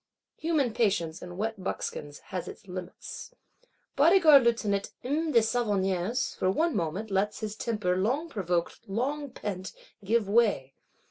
Human patience, in wet buckskins, has its limits. Bodyguard Lieutenant, M. de Savonnières, for one moment, lets his temper, long provoked, long pent, give way.